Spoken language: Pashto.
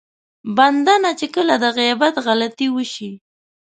بنده نه چې کله د غيبت غلطي وشي.